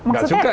nggak suka sih